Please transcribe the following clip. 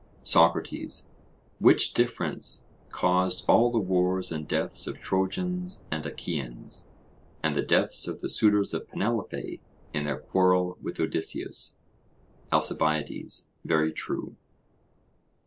SOCRATES: Which difference caused all the wars and deaths of Trojans and Achaeans, and the deaths of the suitors of Penelope in their quarrel with Odysseus. ALCIBIADES: Very true.